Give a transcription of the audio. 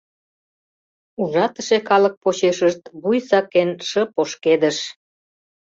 Ужатыше калык почешышт, вуй сакен, шып ошкедыш.